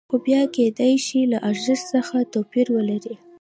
خو بیه کېدای شي له ارزښت څخه توپیر ولري